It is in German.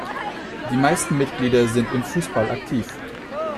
Die meisten Mitglieder sind im Fußball aktiv.